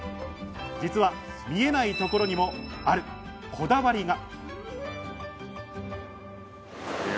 実は見えないところにも、あるこだわりが。